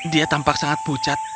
dia tampak sangat pucat